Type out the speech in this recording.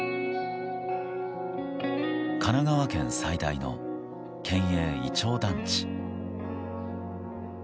神奈川県最大の県営いちょう団地。